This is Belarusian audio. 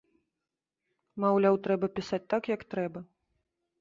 Маўляў, трэба пісаць так, як трэба.